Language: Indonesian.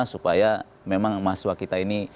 supaya memang mahasiswa kita ini